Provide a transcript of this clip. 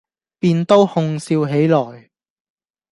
便都哄笑起來。